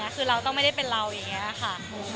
คือเราต้องไม่ได้เป็นเราอย่างนี้ค่ะ